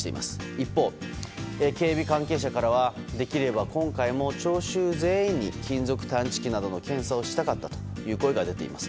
一方、警備関係者からはできれば今回も聴衆全員に金属探知機などの検査をしたかったという声が出ています。